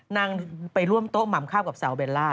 นางไปร่วมโต๊ะหม่ำข้าวกับสาวเบลล่า